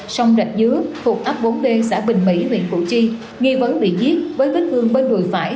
sông rạch dứa thuộc ấp bốn d xã bình mỹ huyện củ chi nghi vấn bị giết với vết thương bên đùi phải